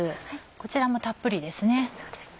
こちらもたっぷりですね。